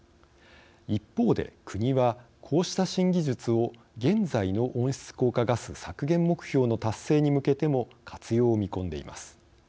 一方で国は、こうした新技術を現在の温室効果ガス削減目標の達成に向けても活用を見込んでいます。